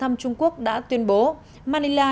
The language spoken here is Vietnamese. thăm trung quốc đã tuyên bố manila